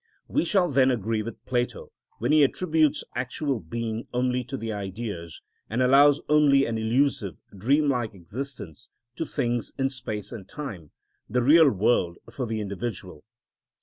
We shall then agree with Plato when he attributes actual being only to the Ideas, and allows only an illusive, dream like existence to things in space and time, the real world for the individual.